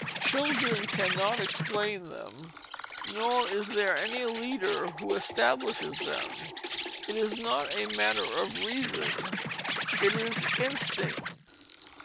Children cannot explain them, nor is there any leader who establishes them. It is not a matter of reason; it is instinct.